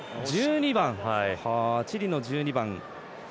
チリの１２番。